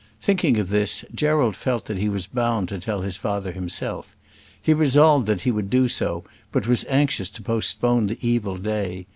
Thinking of this, Gerald felt that he was bound to tell his father himself. He resolved that he would do so, but was anxious to postpone the evil day.